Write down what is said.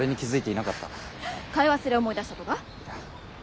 買い忘れ思い出したとか？